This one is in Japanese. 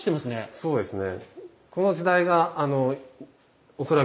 そうですね。